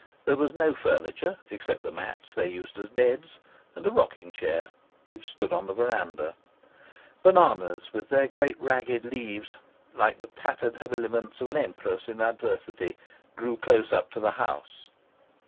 There was no furniture except the mats they used as beds, and a rocking chair, which stood on the verandah. Bananas with their great ragged leaves, like the tattered habiliments of an empress in adversity, grew close up to the house.